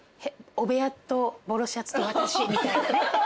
「汚部屋とボロシャツと私」みたいなね。